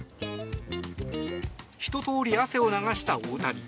ひと通り汗を流した大谷。